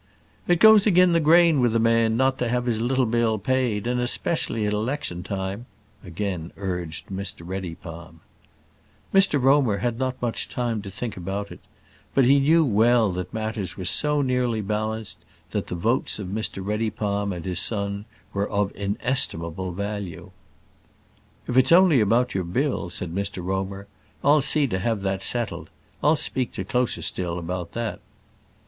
"It goes agin the grain with a man not to have his little bill paid, and specially at election time," again urged Mr Reddypalm. Mr Romer had not much time to think about it; but he knew well that matters were so nearly balanced, that the votes of Mr Reddypalm and his son were of inestimable value. "If it's only about your bill," said Mr Romer, "I'll see to have that settled. I'll speak to Closerstil about that."